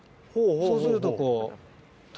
そうするとこう。